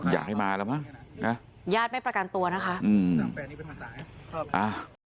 ยาดไม่ประกันตัวนะ